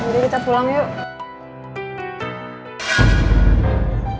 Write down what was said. ri kita pulang yuk